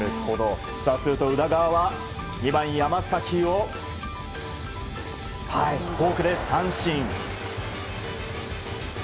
すると宇田川は２番、山崎をフォークで三振。